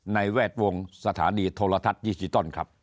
ในแวดวงศาษณีย์โทรทัศน์ยิชิต้อนครับ